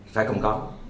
sẽ không có